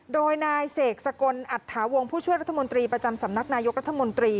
โดยนายเสกสกลอัตถาวงผู้ช่วยรัฐมนตรีประจำสำนักนายกรัฐมนตรี